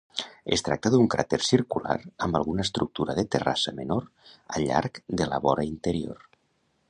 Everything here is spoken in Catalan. Es tracta d'un cràter circular amb alguna estructura de terrassa menor al llarg de la vora interior.